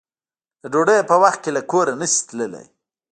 د ډوډۍ په وخت کې له کوره نشې تللی